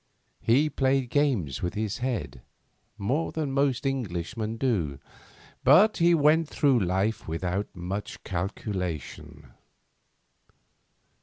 He played games with his head, more than most Englishmen do, but he went through life without much calculation.